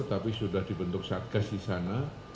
tapi sudah dibentuk satgas di sana